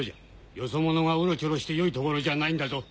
よそ者がうろちょろしてよい所じゃないんだぞ。